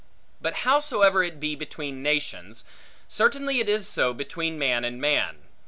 But howsoever it be between nations, certainly it is so between man and man.